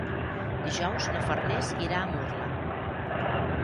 Dijous na Farners irà a Murla.